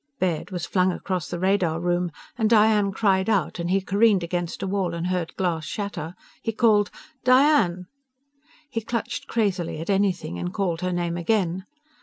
Baird was flung across the radar room, and Diane cried out, and he careened against a wall and heard glass shatter. He called: "Diane!" He clutched crazily at anything, and called her name again.